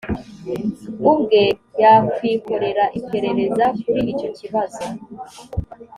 ubwe yakwikorera iperereza kuri icyo kibazo